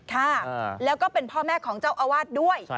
ค่ะแล้วก็เป็นพ่อแม่ของเจ้าอาวาสด้วย